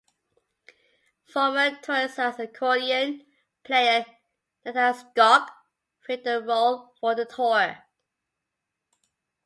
Former Turisas accordion player Netta Skog filled her role for the tour.